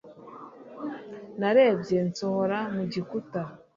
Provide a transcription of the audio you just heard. Narebye nsohora mu gikuta.